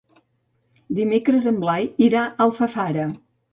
Dimecres en Blai irà a Alfafara.